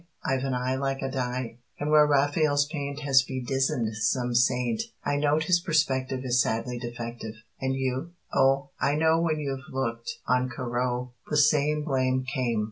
I've an eye Like a die. And where Raphael's paint Has bedizened some saint, I note his perspective Is sadly defective, And you? O, I know When you've looked on Corot The same Blame Came.